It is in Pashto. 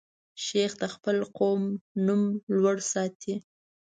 لمسی د خپل قوم نوم لوړ ساتي.